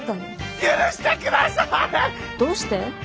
どうして？